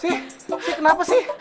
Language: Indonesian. si kenapa sih